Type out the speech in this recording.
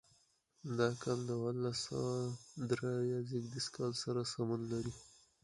دا کال د اوولس سوه درې اویا زېږدیز کال سره سمون لري.